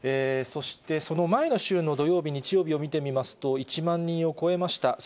そして、その前の週の土曜日、にちようびをみてみますと、１万人を超えました。